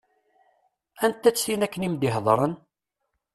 Anta-tt tin akken i m-d-iheddṛen?